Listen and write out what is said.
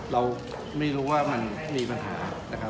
เราไม่รู้ว่ามันมีปัญหา